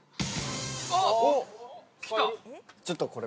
ちょっとこれ。